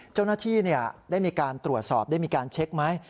เจ้าหน้าที่ได้มีการตรวจสอบได้มีการเช็คไหม